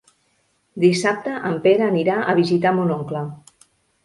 Dissabte en Pere anirà a visitar mon oncle.